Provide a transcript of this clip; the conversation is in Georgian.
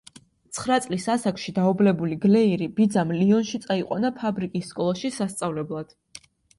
ცხრა წლის ასაკში დაობლებული გლეირი ბიძამ ლიონში წაიყვანა ფაბრიკის სკოლაში სასწავლებლად.